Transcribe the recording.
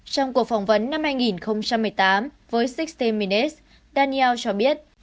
trong cuộc phỏng vấn năm hai nghìn một mươi tám với một mươi sáu minutes daniels cho biết